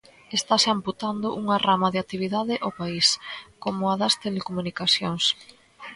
Estase amputando unha rama de actividade ao país, como o das telecomunicacións.